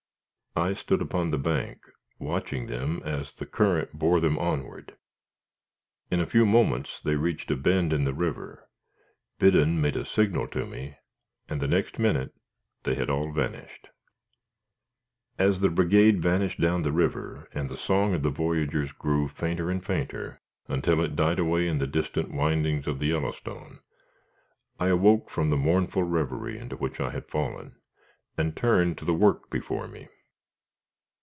I stood upon the bank, watching them as the current bore them onward. In a few moments they reached a bend in the river Biddon made a signal to me, and the next minute they had all vanished. As the brigade vanished down the river, and the song of the voyageurs grew fainter and fainter, until it died away in the distant windings of the Yellowstone, I awoke from the mournful reverie into which I had fallen, and turned to the work before me.